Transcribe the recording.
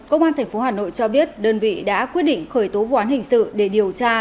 công an tp hà nội cho biết đơn vị đã quyết định khởi tố vụ án hình sự để điều tra